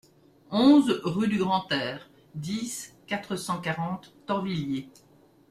onze rue du Grand-Air, dix, quatre cent quarante, Torvilliers